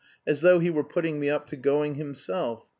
As though he were putting me up to going himself.